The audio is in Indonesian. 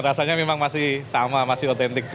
rasanya memang masih sama masih otentik